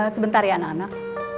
sebentar ya anak anak